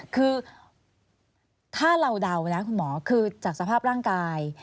คือถ้าเราเดานะคุณหมอคือจากสภาพร่างกาย